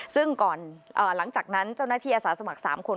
ซึ่งก่อนหลังจากนั้นเจ้าหน้าที่อาสาสมัคร๓คน